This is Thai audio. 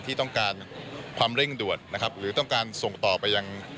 ที่ต้องการความเร่งด่วนนะครับหรือต้องการส่งต่อไปยัง